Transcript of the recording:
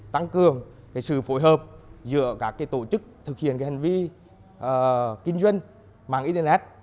tăng cường sự phối hợp giữa các tổ chức thực hiện hành vi kinh doanh mạng internet